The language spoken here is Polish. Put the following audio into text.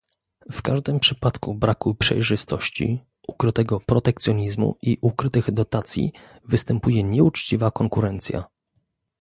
W każdym przypadku braku przejrzystości, ukrytego protekcjonizmu i ukrytych dotacji występuje nieuczciwa konkurencja